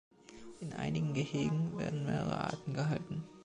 In einigen Gehegen werden mehrere Arten gehalten.